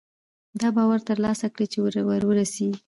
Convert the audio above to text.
دا باور ترلاسه کړي چې وررسېږي.